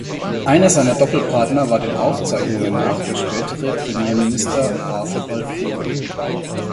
Einer seiner Doppelpartner war den Aufzeichnungen nach der spätere Premierminister Arthur Balfour.